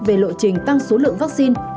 về lộ trình tăng số lượng vaccine